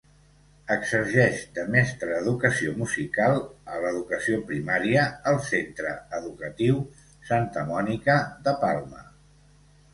Exerceix de mestra d'educació musical a l'educació primària al centre educatiu Santa Mònica de Palma.